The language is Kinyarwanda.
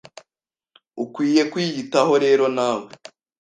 Ukwiye kwiyitaho rero nawe